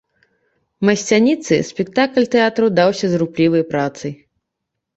Масцяніцы, спектакль тэатру даўся з руплівай працай.